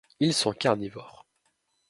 Ils sont carnivore.